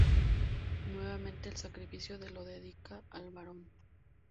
Nuevamente el sacrificio de lo dedica al Barón.